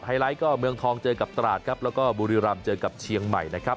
ไลท์ก็เมืองทองเจอกับตราดครับแล้วก็บุรีรำเจอกับเชียงใหม่นะครับ